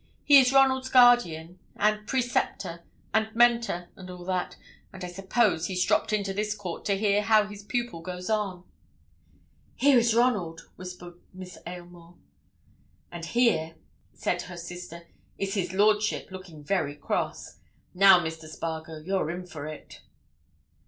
He is Ronald's guardian, and preceptor, and mentor, and all that, and I suppose he's dropped into this court to hear how his pupil goes on." "Here is Ronald," whispered Miss Aylmore. "And here," said her sister, "is his lordship, looking very cross. Now, Mr. Spargo, you're in for it."